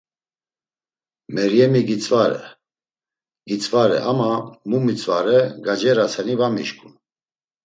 “Meryemi gitzvare, gitzvare, ama mu mitzvare, gaceraseni va mişǩun.”